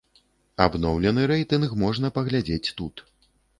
Абноўлены рэйтынг можна паглядзець тут.